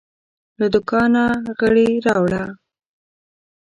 له دوکانه غیړي راوړه